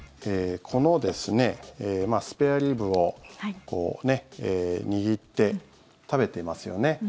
この、スペアリブを握って食べていますよね。